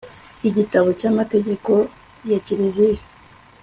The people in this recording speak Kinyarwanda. igitabo cy amategeko ya kiliziya